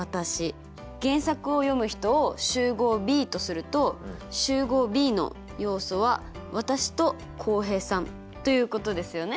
原作を読む人を集合Ｂとすると集合Ｂの要素は私と浩平さんということですよね。